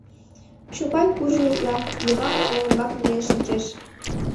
Чопай куржын утла, Йыван олымбак миен шинчеш.